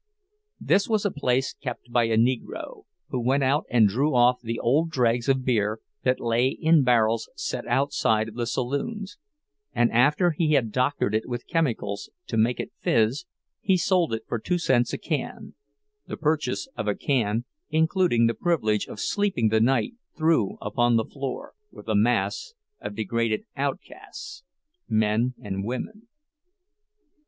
This was a place kept by a Negro, who went out and drew off the old dregs of beer that lay in barrels set outside of the saloons; and after he had doctored it with chemicals to make it "fizz," he sold it for two cents a can, the purchase of a can including the privilege of sleeping the night through upon the floor, with a mass of degraded outcasts, men and women.